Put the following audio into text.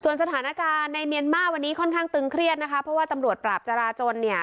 สถานการณ์ในเมียนมาร์วันนี้ค่อนข้างตึงเครียดนะคะเพราะว่าตำรวจปราบจราจนเนี่ย